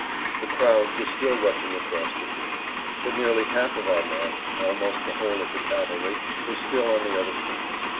The crowds were still rushing across the bridge, but nearly half of our men, almost the whole of the cavalry, were still on the other side.